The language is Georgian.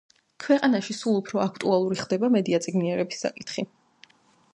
ქვეყანაში სულ უფრო აქტუალური ხდება მედიაწიგნიერების საკითხი